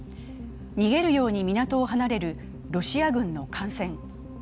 逃げるように港を離れるロシア軍の艦船。